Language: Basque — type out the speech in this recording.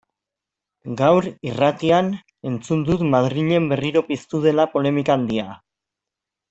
Gaur, irratian, entzun dut Madrilen berriro piztu dela polemika handia.